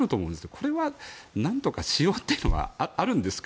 これは何とかしようというのはあるんですか。